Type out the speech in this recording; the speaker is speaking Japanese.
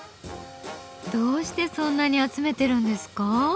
どうしてそんなに集めてるんですか？